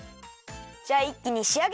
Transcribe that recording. じゃあいっきにしあげていこう！